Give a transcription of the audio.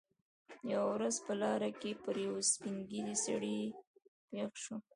یوه ورځ په لاره کې پر یوه سپین ږیري سړي پېښ شوم.